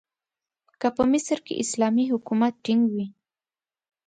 که په مصر کې اسلامي حکومت ټینګ وي.